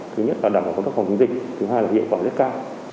thứ nhất là đảm bảo công tác phòng chống dịch thứ hai là hiệu quả rất cao